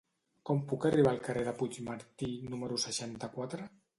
Com puc arribar al carrer de Puigmartí número seixanta-quatre?